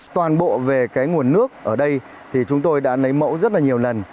toàn bộ về cái nguồn nước ở đây thì chúng tôi đã lấy mẫu rất là nhiều lần